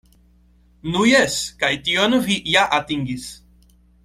Nu jes, kaj tion vi ja atingis.